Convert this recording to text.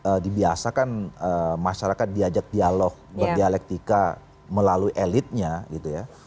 karena dibiasakan masyarakat diajak dialog berdialektika melalui elitnya gitu ya